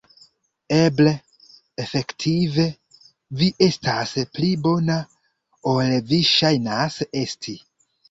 Eble, efektive, vi estas pli bona, ol vi ŝajnas esti.